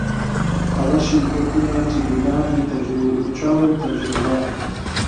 هغه شرکتونه چي د لاندي چارو تجربه